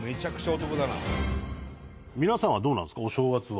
富澤：皆さんは、どうなんですかお正月は。